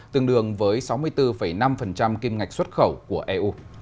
tương đương với sáu mươi bốn năm kim ngạch xuất khẩu của eu